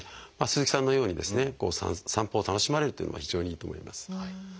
鈴木さんのように散歩を楽しまれるというのも非常にいいと思います。